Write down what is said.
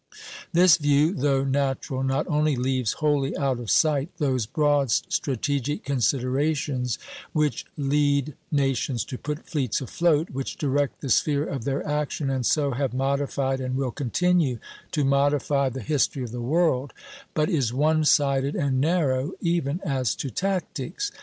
This view, though natural, not only leaves wholly out of sight those broad strategic considerations which lead nations to put fleets afloat, which direct the sphere of their action, and so have modified and will continue to modify the history of the world, but is one sided and narrow even as to tactics.